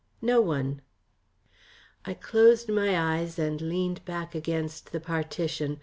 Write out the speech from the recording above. "No one." I closed my eyes and leaned back against the partition.